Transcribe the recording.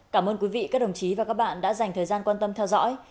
cảm ơn quý vị các đồng chí và các bạn đã dành thời gian quan tâm theo dõi